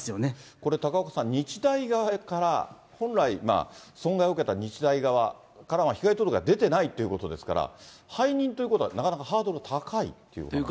これ、高岡さん、日大側から、本来、損害を受けた日大側からの被害届が出ていないということですから、背任ということは、なかなかハードル高いってことですか。